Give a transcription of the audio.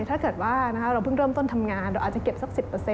ถ้าเกิดว่าเราเพิ่งเริ่มต้นทำงานเราอาจจะเก็บสัก๑๐